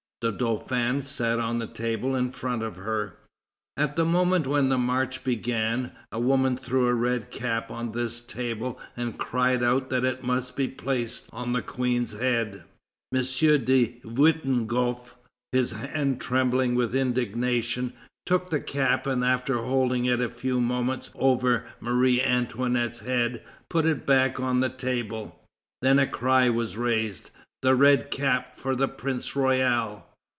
The Dauphin sat on the table in front of her. At the moment when the march began, a woman threw a red cap on this table and cried out that it must be placed on the Queen's head. M. de Wittenghoff, his hand trembling with indignation, took the cap and after holding it for a moment over Marie Antoinette's head, put it back on the table. Then a cry was raised: "The red cap for the Prince Royal!